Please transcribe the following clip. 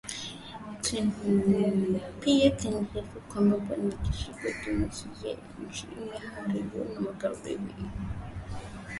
Pia kuna hofu kwamba wanajeshi wa jumuia ya nchi za kujihami za magharibi